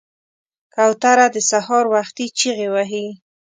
کوتره د سهار وختي چغې وهي.